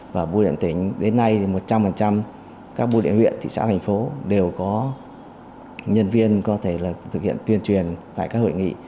và bùi điện tỉnh đến nay một trăm linh các bùi điện huyện thị xã thành phố đều có nhân viên có thể là thực hiện tuyên truyền tại các hội nghị